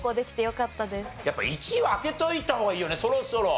やっぱ１位を開けといた方がいいよねそろそろ。